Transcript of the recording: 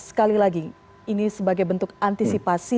sekali lagi ini sebagai bentuk antisipasi